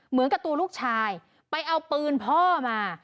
เหมือนกับตัวลูกชายไปเอาปืนพ่อมา